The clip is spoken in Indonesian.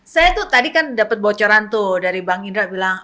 saya tuh tadi kan dapat bocoran tuh dari bang indra bilang